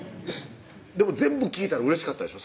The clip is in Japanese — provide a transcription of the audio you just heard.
でも全部聞いたらうれしかったでしょ？